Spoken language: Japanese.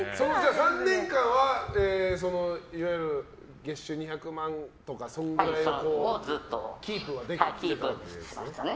３年間はいわゆる月収２００万とかそのぐらいをキープできてたんですね。